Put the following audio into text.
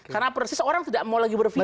karena persis orang tidak mau lagi berpikir